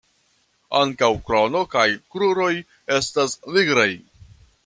Ankaŭ krono kaj kruroj estas nigraj.